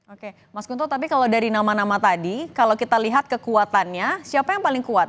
oke mas guntur tapi kalau dari nama nama tadi kalau kita lihat kekuatannya siapa yang paling kuat